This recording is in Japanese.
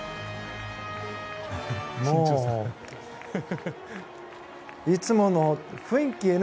もう、いつもの雰囲気。